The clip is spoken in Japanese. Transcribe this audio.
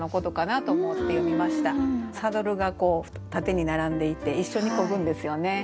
サドルが縦に並んでいて一緒にこぐんですよね。